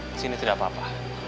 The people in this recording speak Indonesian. disini tidak apa apa